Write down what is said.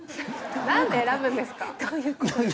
なんで選ぶんですか？